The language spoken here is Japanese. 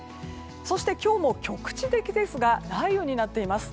そして今日も局地的ですが雷雨になっています。